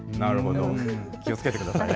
気をつけてくださいね。